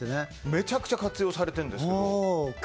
めちゃくちゃ活用されているんですよ。